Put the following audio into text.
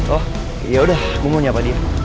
oh yaudah gue mau nyapa dia